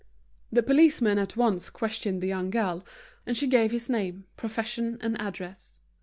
The policeman at once questioned the young girl, and she gave his name, profession, and address.